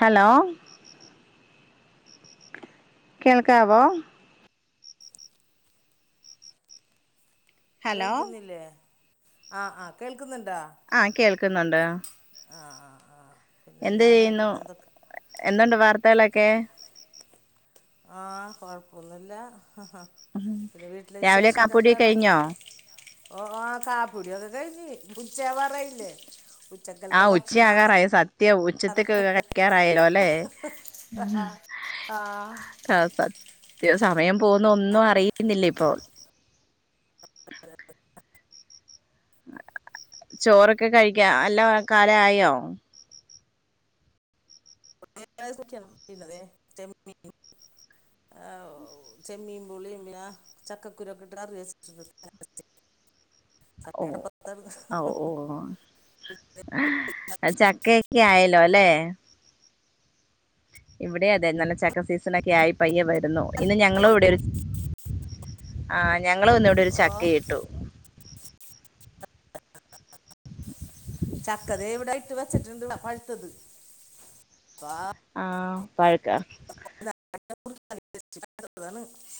hello കേൾക്കാവോ hello കേൾക്ക്ന്നില്ലേ ആഹ് ആഹ് കേൾക്ക്‌ന്ന്ണ്ടോ ആ കേൾക്ക്ന്ന്ണ്ട് ആഹ് ആഹ് ആഹ് എന്ത് പിന്നെന്താണ് ചെയ്യുന്നു പിന്നെന്തൊക്കെ എന്തുണ്ട് വാർത്തകളൊക്കെ ആഹ് കൊഴപ്പൊന്നുല്ല പിന്നെ വീട്ടിലെ രാവിലെ കാപ്പൂടി വിശേഷൊക്കെന്താണ് കഴിഞ്ഞോ ഓഹ് ആഹ് കാപ്പി കുടീക്കെ കഴിഞ്ഞ് ഉച്ചാവാറായില്ലേ ആ ഉച്ചക്കലത്തെ ഭക്ഷണാവാ ഉച്യാകാറായ് സത് ധ്യ ഉച്ചത്തേക്ക് കഴിക്കാറായലോലെ ഉം ആഹ് ആഹ് സത്യം സമയം പോവ്ന്നൊന്നും അറിയിന്നില്ലിപ്പോ [inaudible] ചോറൊക്കെ കഴിക്കാ അല്ല കാലായോ [inaudible] ആഹ് ചെമ്മീൻ പൂളയും [unintelligible] ചക്കക്കുരു ഒക്കെട്ട് കറി വെച്ച്ട്ട് കറി ഓഹ് അട്പത്ത്ണ്ട് ചക്കേക്കെ ആയല്ലോല്ലേ ഇവിടേം അതെ നല്ല ചക്ക സീസണൊക്കായി പയ്യെ വരുന്നു ഇന്ന് ഞങ്ങളും ഇവിടൊരു ആഹ് ഞങ്ങളും ഇന്ന് ഇവിടൊരു ചക്ക ഓഹ് ഇട്ടു ചക്ക ദേ ഇവടെ ഇട്ട് വെച്ചിട്ട്ണ്ട് പഴ്ത്തത് ഇപ്പാ ആഹ് പഴ്ക്ക [inaudible]